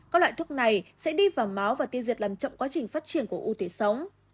các loại thuốc này sẽ đi vào máu và tiêu diệt làm trọng quá trình phát triển của u tùy sống